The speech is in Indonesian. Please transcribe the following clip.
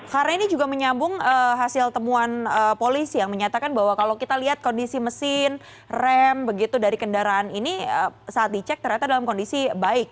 karena ini juga menyambung hasil temuan polisi yang menyatakan bahwa kalau kita lihat kondisi mesin rem begitu dari kendaraan ini saat dicek ternyata dalam kondisi baik